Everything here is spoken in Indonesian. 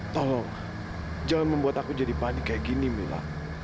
tolong jangan membuat aku jadi pandi kayak gini mila